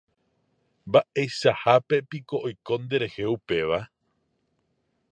Mba'eichahápepiko oiko nderehe upéva.